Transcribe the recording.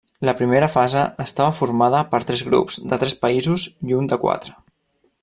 La primera fase estava formada per tres grups de tres països i un de quatre.